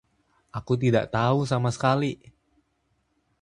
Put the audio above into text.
Aku tidak tahu sama sekali.